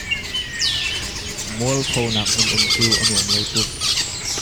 Mualphonak hmun um cu a nuam lo tuk.